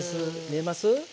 見えます？